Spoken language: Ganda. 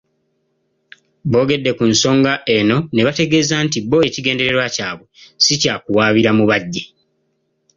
Boogedde ku nsonga eno ne bategeeza nti bo ekigendererwa kyabwe si kyakuwaabira Mubajje.